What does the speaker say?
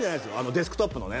デスクトップのね